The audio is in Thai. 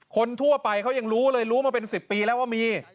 คนทั่วไปเขายังรู้เลยรู้มาเป็น๑๐ปีแล้วว่ามี